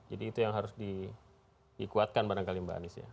jadi itu yang harus dikuatkan barangkali mbak anies ya